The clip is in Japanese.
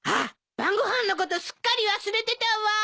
晩ご飯のことすっかり忘れてたわ。